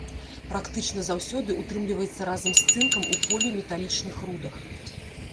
Практычна заўсёды ўтрымліваецца разам з цынкам у поліметалічных рудах.